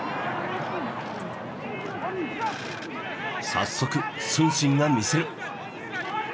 早速承信が見せる。